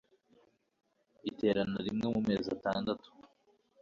iterana rimwe mu mezi atandatu